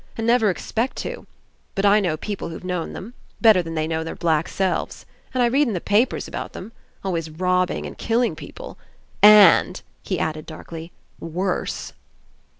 And never expect to! But I know people who've known them, better than they know their black selves. And I read in the papers about them. Always robbing and killing people. And," he added darkly, "worse."